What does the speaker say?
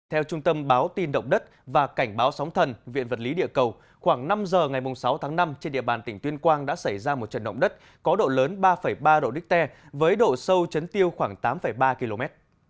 theo trung tâm báo tin động đất và cảnh báo sóng thần viện vật lý địa cầu khoảng năm giờ ngày sáu tháng năm trên địa bàn tỉnh tuyên quang đã xảy ra một trận động đất có độ lớn ba ba độ đích tè với độ sâu chấn tiêu khoảng tám ba km